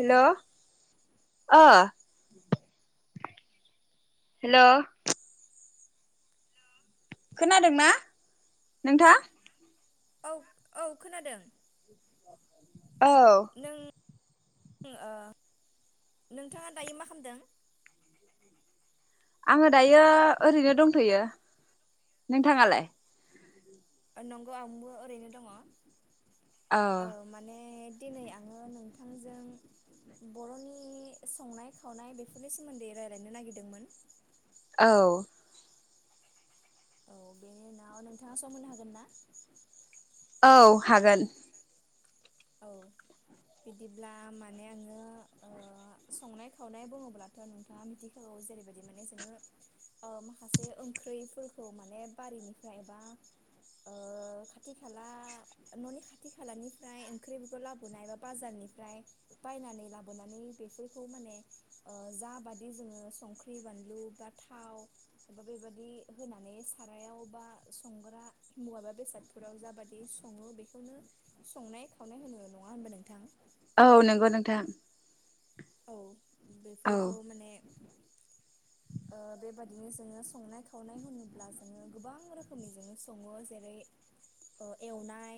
हेल' ओ हेल' खोनादोंना नोंथां औ औ खोनादों औ नो‌ ओ नोंथाङा दायो मा खालामदों? आङो दायो ओरैनो दंथ'यो नोंथाङालाय? नंगौ आमबो ओरैनो दङ औ औ माने दिनै आङो नोंथांजों बर'नि संनाय खावनाय बेफोरनि सोमोन्दै रायजलायनो नागिरदोंमोन औ औ बेनि उनाव नोंथाङा सम होनो‌ हागोन ना? औ हागोन औ बिदिब्ला माने आङो ओ संनाय खावनाय बुङोब्लाथ' नोंथाङा मिथिखागौ जेरैबायदि माने जोङो ओ माखासे ओंख्रिफोरखौ माने बारिनिफ्राय एबा ओ खाथि खाला न'नि खाथि खालानिफ्राय ओंख्रिफोरखौ लाबोनाय बा बाजारनिफ्राय बायनानै लाबोनानै बेफोरखौ माने जाबादि जोङो संख्रि बानलु बा थाव बा बेबादि होनानै सारायाव बा संग्रा मुवा बा बेसादफोराव जाबादि सङो बेखौनो संनाय खौनो होनो नङा होनबा नोंथां औ नोंगौ नोंथां औ औ बेफोरखौ माने ओ बेबाददिनो जोङो संनाय खावनाय होनोब्ला जोङो गोबां रोखोमनि जोङो सङो जेरै ओ एवनाय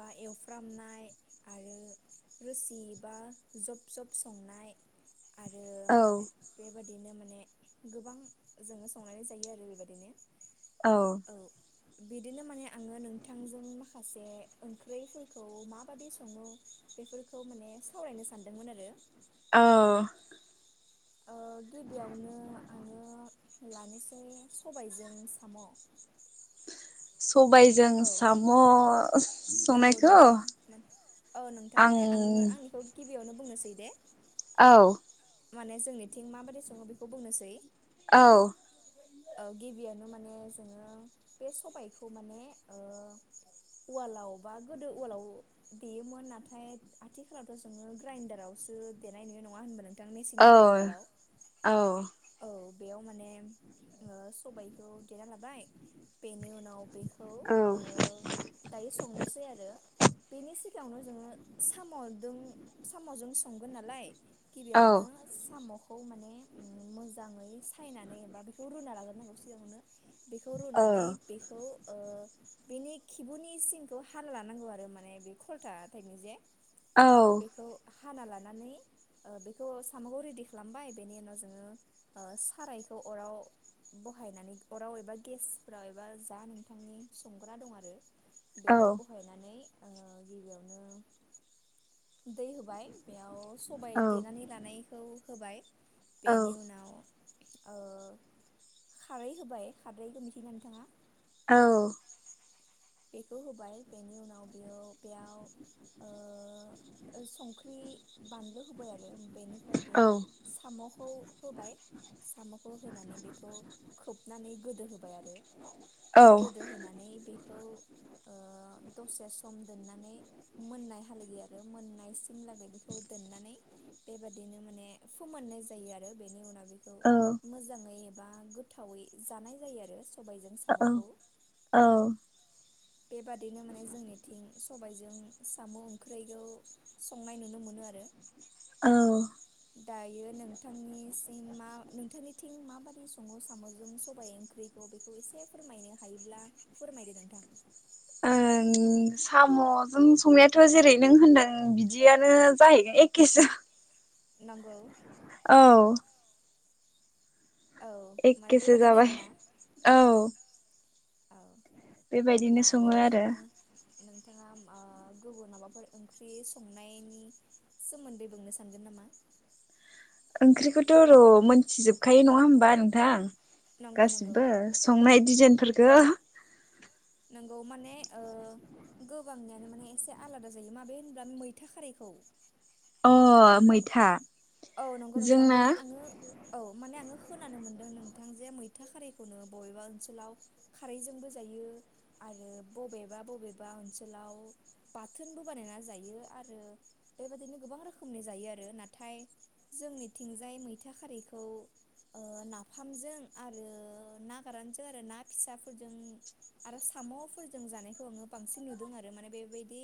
बा एवफ्रामनाय आरो रोसि बा जब जब स आरो औ बेबा बिदिनो माने गोबां जोङो संनानै जायो आरो बेबायदिनो औ बिदिनो माने आङो नोंथांजों माखासे ओंख्रै फोरखौ माबादि सङो बेफोरखौ माने सावरायनो सानदोंमोन आरो औ ओ गिबियावनो आङो लानोसै सबायजों साम' सबायाइजों औ साम' नंगौ संनायखौ नोंथां मान औ नोंथां आं माने आङो आंनिखौ गिबियावनो बुंनोसै दे औ माने जोंनिथिं माबादि सङो बेखौ बुंनोसै औ औ गिबियावनो माने जोङो बे सबायखौ माने ओ उवालाव बा गोदो उवालाव देयोमोन नाथाय आथिखालावथ' जोङो ग्राइडारावसो देनाय नुयो नङा होनबा न थां मेसिन औ ग्राइन्दाराव औ औ बेयाव माने ओ सबायखौ देना लाबाय बेनि उनाव आ बेखौ औ ओ दायो संनोसै आरो। बेनि सिगाङावनो जोङो साम'जों साम'जों संगोन नालाय औ गिबियावनो साम'खौ माने ओ मोजाङै सायनानै एबा बेखौ रुना लाग्रोनांगौ सिगाङावनो बेखौ औ रुनानै बेखौ ओ बेनि खिबुनि सिंखौ हाल लानांगौ आरो माने बे खलथा थायो जे औ बेखौ हाना लानानै ओ बेखौ साम'खौ रेडि खालामबाय बेनि उनाव जोङो ओ सारायखौ अराव बहायनानै अराव एबा गेसफोराव एबा जा नोंथांनि संग्रा दं आरो बेयाव बहायनानै ओ गिबियावनो दै होबाय बेयाव सबाय देनानै लानायखौ होबाय बेनि उनाव ओ खारै होबाय खारैखौ मिथियोना नोंथाङा? औ बेखौ होबाय बेनि उनाव बेयो बेयाव [unintelligible] ओ संख्रि बानलु होबाय आरो बेनिफ्राय बेयाव साम'खौ होबाय साम'खौ होनानै बेखौ खोबनानै गोदो होबाय आरो गोदो होनानै बेखौ ओ दसे सम दोननानै मोननाय थालागै आरो मोननाय सिम लागै बेखौ दोननानै बेबादिनो माने फोमाननाय जायो आरो बेनि उनाव बेखौ मोजाङै बा गोथावै जानाय जायो आरो। सबायजों साम'खौ औ औ बेबादिनो माने जोंनिथिं सबाय जों साम' ओंख्रैखौ संनाय नुनो मोनो आरो। औ। दायो नोंथांनिसिम मा नोंथांनिथिं माबादि सङो साम'जों सबायाइ ओंख्रिखौ बेखौ एसे फोरमायनो हायोब्ला फोरमायदो नों थां। ओ साम'जों संनायाथ' जेरै नों होनदों बिदियानो जाहैगोन एखेसो। नंगौ। औ। औ माने एककेसो बेबादिनो जाबाय आरोना औ। [unintelligible] बेबायदिनो अब्ला सङो आरो। नोंथाङा नोंथाङा ओ गुबुन माबाफोर ओंख्रि संनायनि सोमोन्दै बुंनो सानगोन नामा? ओंख्रिखौथ' र' मोनथिजोबखायो नङा होमबा नोंथां। नंगौ नंगौ गासिबो संनाय दिजेन फोरखो। नोंगौ माने ओ गोबांनियानो माने एसे आलादा जायो माबे होनोबब्ला मैथा खारैखौ अ ओ मैथा औ नंगौ नोंथां जोंना माने आङो औ माने आङो खोनानो मोनदों नोंथां जे मैथा खारैखौनो बबेबा ओनसोलाव खारैजोंबो जायो। आरो बबेबा बबेबा ओनसोलाव बाथोनबो बानायना जायो आरो बेबादिनो गोबां रोखोमनि जायो आरो नाथाय जोंनिथिंजाय मैथा खारैखौ ओह नाफामजों आरो ना गोरानजों आरो ना फिसाफोरजों आरो साम'फोरजों जानायखौ आङो बांसिन नुदों आरो माने बेबायदि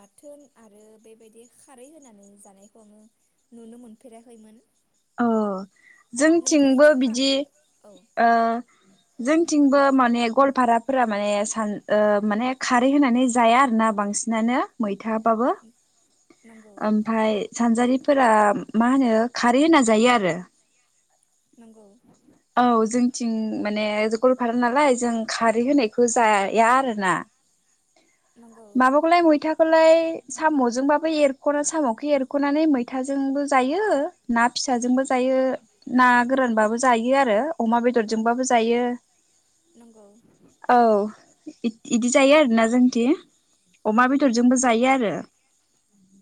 बाथोन आरो बेबायदि खारै होनानै जानायखौ आङो नुनो मोनफेराखैमोन। अ जोंथिंबो नोंथांनिथिं मा बिदि औ ओह जों थिंबो माने गलपाराफोरा माने सान माने खारै होनानै जाया आरोना बांसिनानो मै थां बाबो नंगौ ओमफाय सानजारिफोरा मा होनो खार देना जायो आरो। नोंगौ। औ जोंथिं माने गवालपारा नालाय जों खारै होनायखौ जाया आरोना। नंगौ माबाखौलाय मैथा खौलाय साम'जोंबाबो एरख'नो साम'खौ एरख'नानै मैथाजोंबो जायो ना फिसाजोंबो जायो ना गोरानबाबो जायो आरो अमा बेदरजोंबाबो जायो। नंगौ। इद- इदि जायो आरो ना जोंथि। अमा नंगौ बेदरजोंबो जायो आरो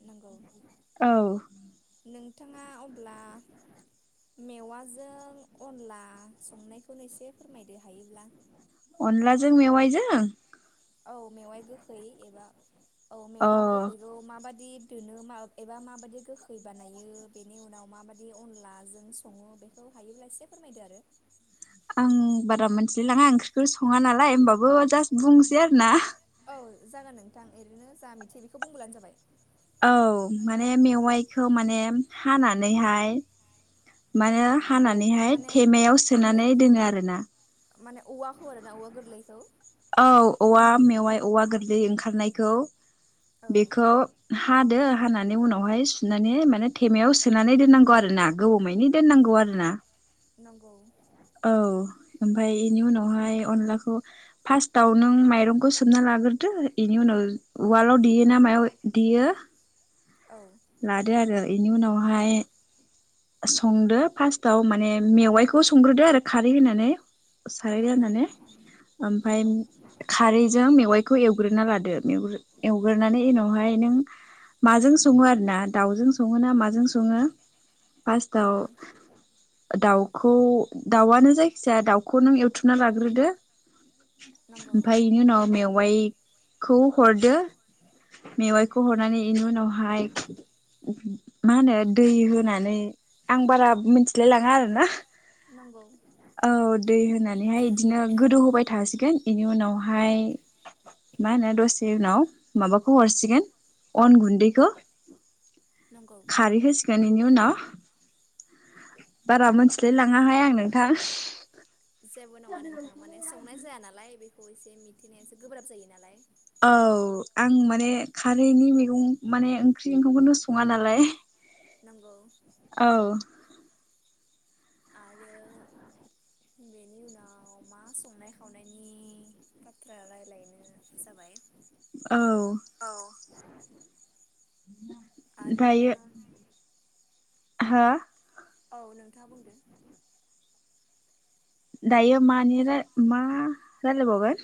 नंगौ औ। नोंथाङा अब्ला मेवाजों अनला संनायखौनो एसे फोरमायदो हायोब्ला। अनलाजों मेवाइजों औ मेवाइ गोखै एबा औ मेवा अ गोखैखौ माबादि दोनो म एबा माबादि गोखै बानायो बेनि उनाव माबादि अनलाजों सङो बेखौ हायोब्ला एसे फोरमायदो आरो। आं बारा मोनथिलायलाङा ओंख्रिखौ सङा नालाय होमबाबो जास्ट बुंसै आरो ना। औ जागोन नोंथां ओरैनो जा मिथियो बेखौ बुंबोलानो जाबाय। औ माने मेवाइखौ माने हानानैहाय माने नंगौ हानानैहाय माने थेमायाव माने सोनानै दोनो आरोना। माने औवाखौ आरोना औवा गोरलैखौ औ औवा मेवाइ औवा गोरलै ओंखारनायखौ औ बेखौ हादो हानानै उनावहाय सुनानै माने थेमायाव सोनानै दोननांगौ आरोना गोबावमानि दोननांगौ आरोना नंगौ औ ओमफाय इनि उनावहाय अनलाखौ फार्स्टाव नों माइरंखौ सोमना लाग्रोदो इनि उनाव उवालाव देयो ना मायाव देयो औ लादो आरो इनि उनावहाय संदो फार्स्टाव माने मेवाइखौ संग्रोदो आरो खारै होनानै साराय नंगौ जाननानै ओमफाय नंगौ खारै जों मेवाइखौ एवग्रोना लादो मेवग्रो एवग्रोनानै उनावहाय नों माजों सङो आरो ना दाउजों सङो ना माजों सङो पासटाव नंगौ दाउखौ दाउआनो जायखिजाया दाउखौ नों एवथुमना लाग्रोदो नंगौ ओमफाय बेनि उनाव मेव वाइखौ हरदो मेवाइखौ हरनानै इनि उनावहाय मा होनो दै होना नै आं बारा मिथिलाय लाङा आरो ना नंगौ औ दै होनानैहाय इदिनो गोदौहोबाय थासिगोन बेनि उनावहाय मा होनो दसे उनाव माबाखौ हरसिगोन अन गुन्दैखौ नंगौ खारै हो सिगोन इनि उनाव बारा मोनथिलाय नंगौ लाङाहाय आं नोंथां जेबो नङा नोंथां माने संनाय जाया नालाय बे खौ एसे मिथिनाया एसे गोब्राब जायो नालाय औ आं माने खारैनि मैगं माने ओंख्रि ओंखामखौनो सङा नालाय नंगौ औ आरो बेनि उनाव मा संनाय खावनायनि बाथ्रा रायज्लायनो जाबाय औ आरो दायो हो औ नोंथाङा बुंदो दायो मानि मा रायलायबावगोन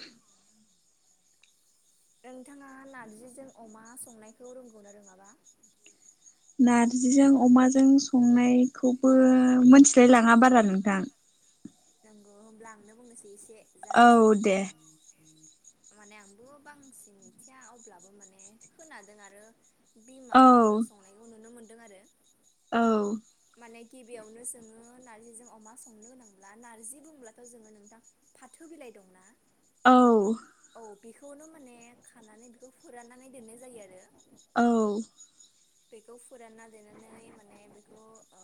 नोंथाङा नारजिजों अमा संनायखौ रोंगौनो रोङाबा? नारजिजों अमाजों संनायखौबो मिथिलाय लाङा बारा नोंथां नंगौ होमब्ला आंनो बुंनोसै एसे जा औ मिथियो दे माने आंबो बांसिन मिथिया अब्लाबो माने खोनादों आरो औ बिमाफोरनि संनायखौ नुनो मोन दों आरो। औ। माने गिबियावनो जोङो नारजिजों अमा संनो होनो ब्ला नारजि बुंब्लाथ' जोङो नोंथां फाथो बिलाइ दंना? औ। औ बेखौनो माने खानानै बेखौ फोराननानै दोननाय जायो आरो। औ। बेखौ फोरानना दोननानै माने बेखौ ओ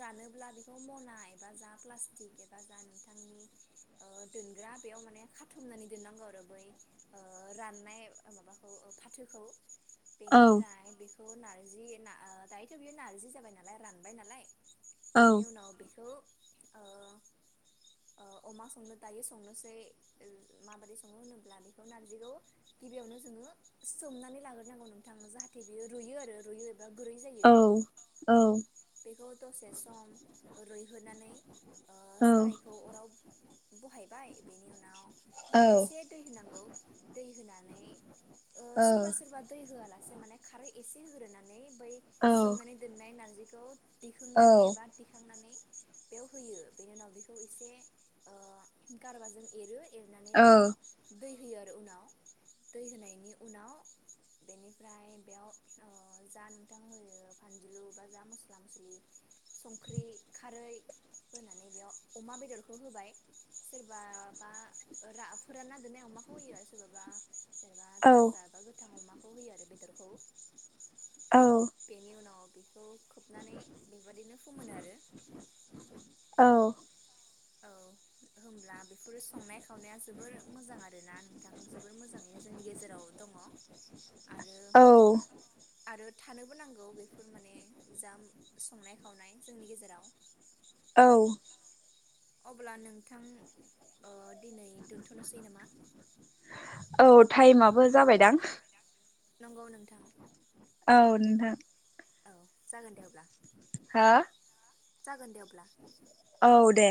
रानोब्ला बेखौ मना एबा जा प्लास्टिक बा जा नोंथांनि ओ दोनग्रा बेयाव माने खाथुमनानै दोननांगौ आरो बै ओ राननाय माबाखौ फाथोखौ। औ बेनिफ्रायाय बेखौ। बेखौ नारजि ओ दायोथ' बियो नार्जि जाबाय नालाय रानबाय नालाय। औ बेनि उनाव बेखौ। ओ। ओ अमा संनो दायो संनोसै माबादै सङो होनोब्ला, बेखौ नारजिखौ गिबियावनो जोङो सोमनानै लाग्रोनांगौ नोंथां जाहाथे बेयो रुइयो आरो रुइयो। एबा गुरै जायो। औ औ बेखौ दसे सम रुइहोनानै ओ। औ सारायखौ अराव बहायबाय बेनि उनाव। बेयाव एसे दै होनांगौ दै होनानै ओ सोरबा सोरबा दै होआलासे एसे माने खारै एसे होग्रोनानै। [unintelligible] सोमनानै दोन्नांय नार्जारि खौ। [inaudible] दिखांनानै एबा दिखांनानै बेव होयो बेनि उनाव बेखौ एसे ओ गारबाजों एरो। एरनानै बेयाव दै होयो आरो उनाव दै होनायनि उनाव, बेनिफ्राय बेयाव ओ जा नोंथां होयो फानलुबा जा मस्ला मस्लि, संख्रि, खारै होनानै बेयाव अमा बेदरखौ होबाय सोरबाबा रा फोरान ना दोननाय अमाखौ होयो सोरबाबा। जेनेबा टाजा एबा गोथां अमा। खौव होयो आरो बेदरखौ। बेनि उनाव बे खोबनानै बेबादिनो फोमोनो आरो। औ औ होमब्ला बे बेफोर संनाय खावनाया जोबोर मोजां आरोना नोंथां, जोबोर मोजाङैनो जोंनि गेजेराव दङ आरो औ आरो। थानोबो नांगौ। बेफोर माने जाम संनाय खावनाय जोंनि गेजेराव औ अब्ला नोंथां दिनै दोन्थ'नोसै नामा औ टाइमाबो जाबायदां नंगौ नोंथां औ नोंथां औ जागोन दे अब्ला हो जागोन दे [inaudible] औ दे